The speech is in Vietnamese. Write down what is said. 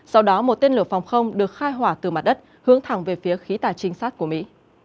sau đó một tên lửa phòng không được khai hỏa từ mặt đất hướng thẳng về phía khí tài chính sát của mỹ